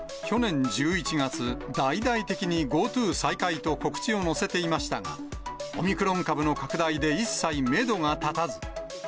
去年１１月、大々的にＧｏＴｏ再開と告知を載せていましたが、オミクロン株の拡大で一切メドが立たず。